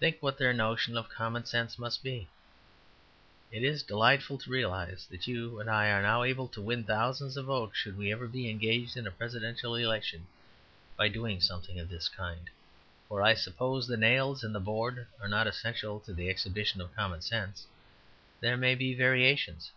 Think what their notion of "common sense" must be! It is delightful to realize that you and I are now able to win thousands of votes should we ever be engaged in a Presidential Election, by doing something of this kind. For I suppose the nails and the board are not essential to the exhibition of "common sense;" there may be variations.